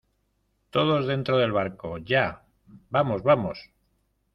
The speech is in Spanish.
todos dentro del barco, ¡ ya! ¡ vamos , vamos !